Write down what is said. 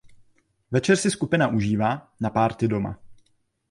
Večer si skupina užívá na party doma.